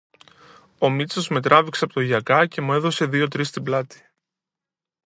Ο Μήτσος με τράβηξε από το γιακά και μου έδωσε δυο-τρεις στην πλάτη